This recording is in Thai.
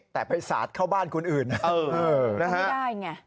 แต่ไปสาดเข้าบ้านคนอื่นไม่ได้ไง